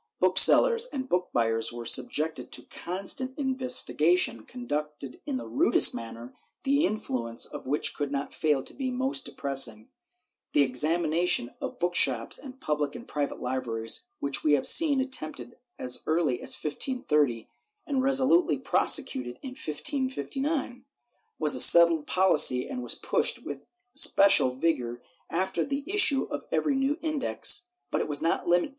Booksellers and book buyers were subjected to constant investi gation conducted in the rudest manner, the influence of which could not fail to be most depressing. The examination of book shops and public and private Hbraries, which we have seen attempted as early as 1530 and resolutely prosecuted in 1559, was a settled policy and was pushed with especial vigor after the issue * Archive hist, nacional, Inq.